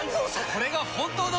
これが本当の。